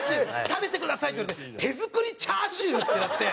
「食べてください」って言われて「手作りチャーシュー！？」ってなって。